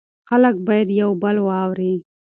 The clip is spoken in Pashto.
خلک باید یو بل واوري.